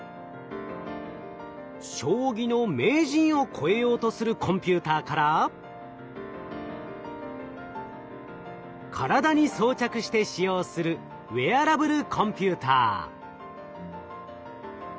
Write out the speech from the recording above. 将棋の名人を超えようとするコンピューターから体に装着して使用するウェアラブルコンピューター。